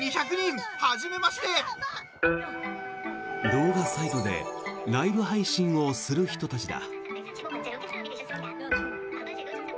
動画サイトでライブ配信をする人たちだ。